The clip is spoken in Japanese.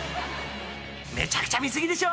［めちゃくちゃ見過ぎでしょ。